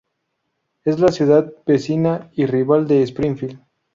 Es la ciudad vecina y rival de Springfield.